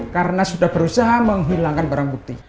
karena sudah berusaha menghilangkan barang bukti